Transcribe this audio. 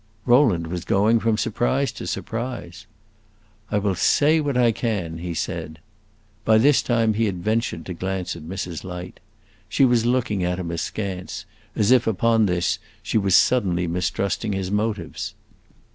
Rowland was going from surprise to surprise. "I will say what I can!" he said. By this time he had ventured to glance at Mrs. Light. She was looking at him askance, as if, upon this, she was suddenly mistrusting his motives.